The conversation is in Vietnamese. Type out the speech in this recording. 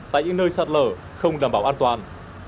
tại những nơi sạt lở không đảm bảo an toàn